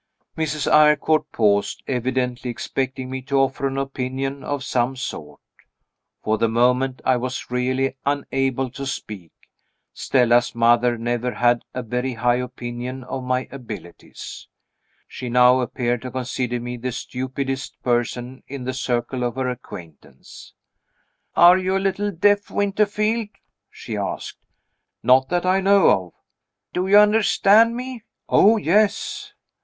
_ Mrs. Eyrecourt paused, evidently expecting me to offer an opinion of some sort. For the moment I was really unable to speak. Stella's mother never had a very high opinion of my abilities. She now appeared to consider me the stupidest person in the circle of her acquaintance. "Are you a little deaf, Winterfield?" she asked. "Not that I know of." "Do you understand me?" "Oh, yes."